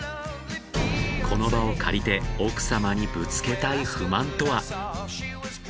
この場を借りて奥様にぶつけたい不満とは？